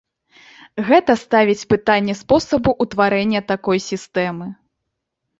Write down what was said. Гэта ставіць пытанне спосабу ўтварэння такой сістэмы.